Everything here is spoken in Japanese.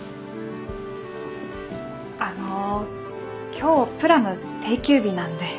あの今日ぷらむ定休日なんで。